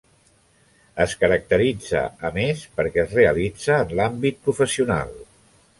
Es caracteritza, a més, perquè es realitza en l'àmbit professional.